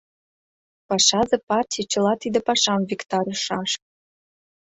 — Пашазе партий чыла тиде пашам виктарышаш...